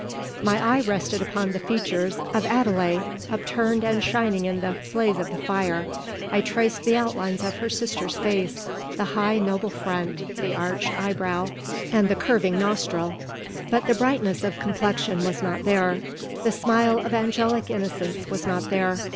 My eye rested upon the features of Adele, upturned and shining in the blaze of the fire. I traced the outlines of her sister's face: the high, noble front, the arched eyebrow, and the curving nostril. But the brightness of complexion was not there; the smile of angelic innocence was not there.